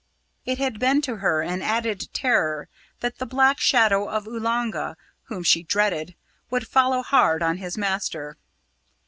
It had been to her an added terror that the black shadow of Oolanga, whom she dreaded, would follow hard on his master.